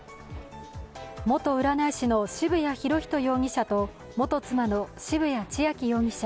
元占い師の渋谷博仁容疑者と、元妻の渋谷恭子容疑者。